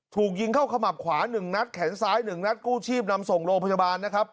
ถูกยิงเข้าขมับขวา๑นัดแขนซ้าย๑นัดกู้ชีพนำส่งโรงพยาบาลนะครับ